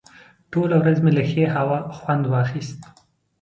ټوله ورځ مې له ښې هوا خوند واخیست.